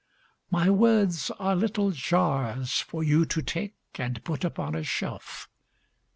My words are little jars For you to take and put upon a shelf.